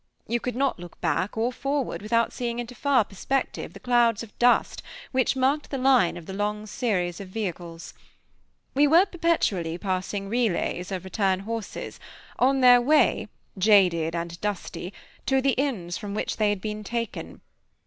You could not look back or forward, without seeing into far perspective the clouds of dust which marked the line of the long series of vehicles. We were perpetually passing relays of return horses, on their way, jaded and dusty, to the inns from which they had been taken.